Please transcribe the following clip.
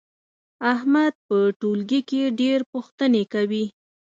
احمد په ټولګي کې ډېر پوښتنې کوي.